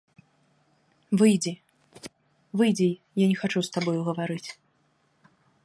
Выйдзі, выйдзі, я не хачу з табой гаварыць.